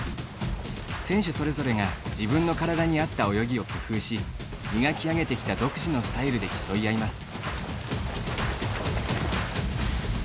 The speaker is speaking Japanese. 選手それぞれが自分の体に合った泳ぎを工夫し磨き上げてきた独自のスタイルで競い合います。